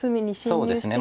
そうですね。